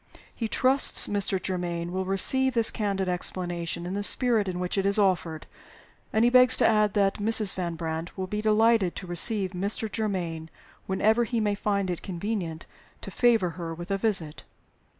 He trusts Mr. Germaine will receive this candid explanation in the spirit in which it is offered; and he begs to add that Mrs. Van Brandt will be delighted to receive Mr. Germaine whenever he may find it convenient to favor her with a visit."